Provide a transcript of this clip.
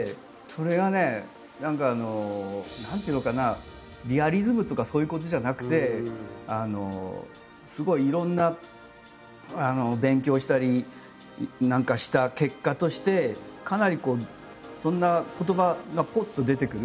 それがね何か何ていうのかなリアリズムとかそういうことじゃなくてすごいいろんな勉強をしたり何かした結果としてかなりそんな言葉がぽっと出てくる。